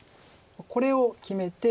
これを決めて。